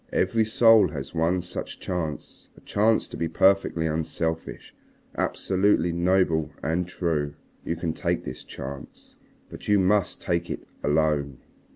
Every soul has one such chance, a chance to be perfectly unselfish, absolutely noble and true. You can take this chance. But you must take it alone.